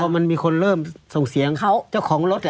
มันมีคนเริ่มส่งเสียงเขาเจ้าของรถ